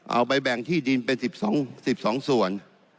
เอาไปแบ่งที่ดินเป็น๑๒ส่วน